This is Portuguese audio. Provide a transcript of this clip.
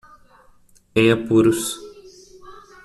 Em apuros